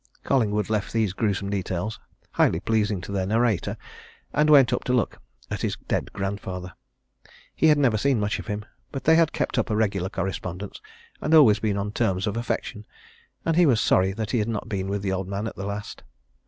Collingwood left these gruesome details highly pleasing to their narrator and went up to look at his dead grandfather. He had never seen much of him, but they had kept up a regular correspondence, and always been on terms of affection, and he was sorry that he had not been with the old man at the last.